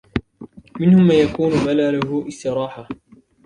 مِنْهُمْ مَنْ يَكُونُ مَلَلُهُ اسْتِرَاحَةً